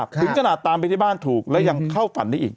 ถึงขนาดตามไปที่บ้านถูกแล้วยังเข้าฝันได้อีก